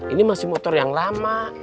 ini masih motor yang lama